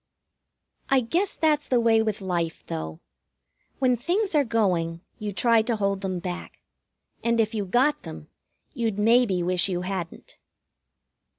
I guess that's the way with life, though. When things are going, you try to hold them back. And if you got them, you'd maybe wish you hadn't.